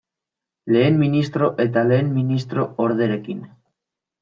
Lehen ministro eta lehen ministro orderekin.